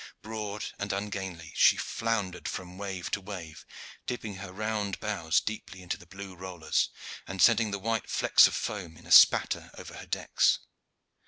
Broad and ungainly, she floundered from wave to wave, dipping her round bows deeply into the blue rollers, and sending the white flakes of foam in a spatter over her decks.